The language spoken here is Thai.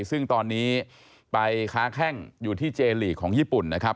ซึ่งตอนนี้ไปค้าแข้งอยู่ที่เจลีกของญี่ปุ่นนะครับ